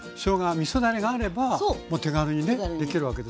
みそだれがあればもう手軽にねできるわけです。